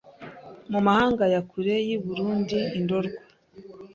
mu mahanga ya kure y’i Burundi i Ndorwa